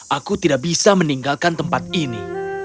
aku tidak bisa meninggalkan tempat ini